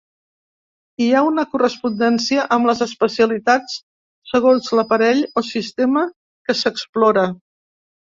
Hi ha una correspondència amb les especialitats segons l'aparell o sistema que s'explora.